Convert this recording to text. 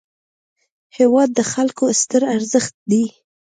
هېواد د خلکو ستر ارزښت دی.